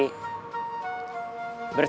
setelah ngobrol kesana kemari